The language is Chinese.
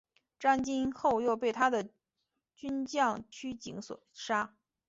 张津后又被他的属将区景所杀。